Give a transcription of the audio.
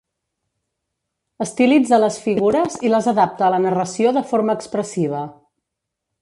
Estilitza les figures i les adapta a la narració de forma expressiva.